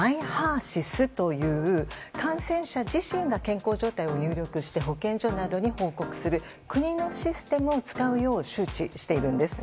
ＭｙＨＥＲ‐ＳＹＳという感染者自身が健康状態を入力して保健所などに報告する国のシステムを使うよう周知しているんです。